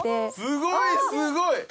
すごいすごい！